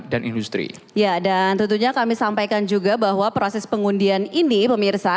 dan tentunya kami sampaikan juga bahwa proses pengundian ini pemirsa